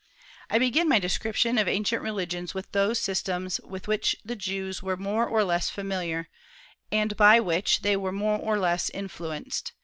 I begin my description of ancient religions with those systems with which the Jews were more or less familiar, and by which they were more or less influenced.